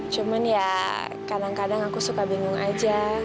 cuman ya kadang kadang aku suka bingung aja